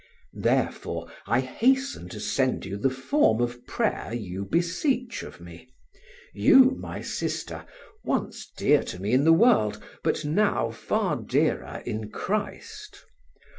Therefore I hasten to send you the form of prayer you beseech of me you, my sister, once dear to me in the world, but now far dearer in Christ.